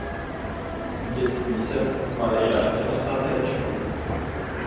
V dětství se Maria chtěla stát herečkou.